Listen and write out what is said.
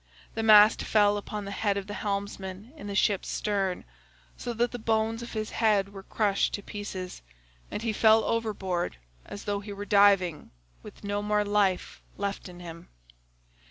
The mast fell upon the head of the helmsman in the ship's stern, so that the bones of his head were crushed to pieces, and he fell overboard as though he were diving, with no more life left in him.